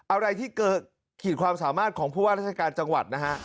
อะไรที่ขีดความสามารถของผู้ว่าราชการจังหวัดนะฮะ